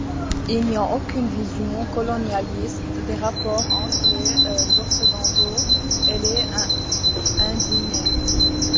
Il n'y a aucune vision colonialiste des rapports entre les occidentaux et les indigènes.